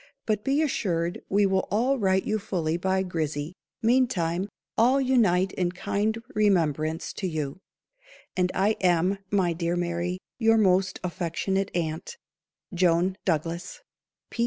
But be assured we will all write you fully by Grizzy. Meantime, all unite in kind remembrance to you. And I am, my dear Mary, your most affectionate aunt, "JOAN DOUGLAS."